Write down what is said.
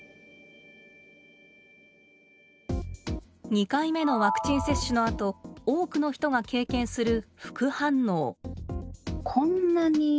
２回目のワクチン接種のあと多くの人が経験する副反応。